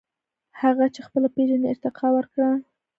• هغه چې خپله پېژنې، ارتقاء ورکړه.